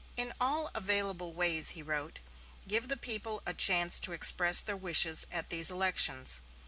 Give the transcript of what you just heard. "In all available ways," he wrote, "give the people a chance to express their wishes at these elections.